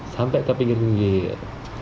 sampai ke pinggir pinggir